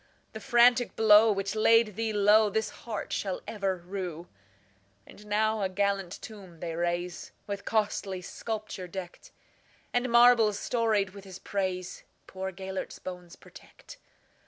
The frantic blow which laid thee lowThis heart shall ever rue."And now a gallant tomb they raise, With costly sculpture decked; And marbles storied with his praisePoor Gêlert's bones protect.